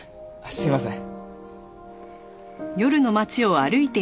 すいません。